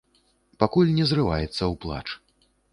Пакуль не зрываецца ў плач.